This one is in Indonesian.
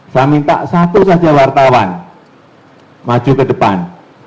saya minta satu saja wartawan maju ke depan